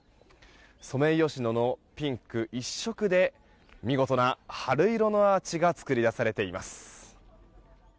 ソメイヨシノのピンク一色で見事な春色のアーチが作り出されています。